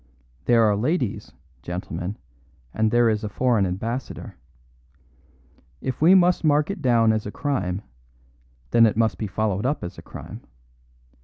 There are ladies, gentlemen, and there is a foreign ambassador. If we must mark it down as a crime, then it must be followed up as a crime.